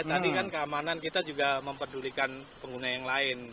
tadi kan keamanan kita juga memperdulikan pengguna yang lain